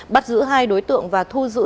bắt giữ hai đối tượng và thu giữ